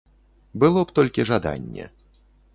Было б толькі жаданне.